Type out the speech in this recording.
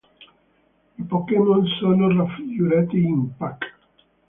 I Pokémon sono raffigurati in "puck".